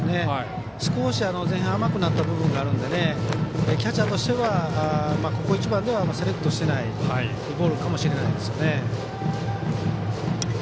少し前半甘くなった部分があるのでキャッチャーとしてはここ一番ではセレクトしてないボールかもしれないですね。